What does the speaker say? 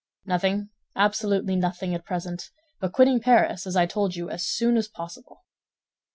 "Nothing, absolutely nothing, at present, but quitting Paris, as I told you, as soon as possible.